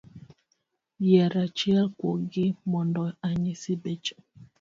Yier achiel kuogi mondo anyisi beche?